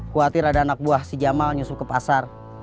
kuatir ada anak buah si jamal nyusup ke pasar